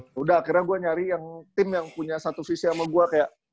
sudah akhirnya gue nyari yang tim yang punya satu visi sama gue kayak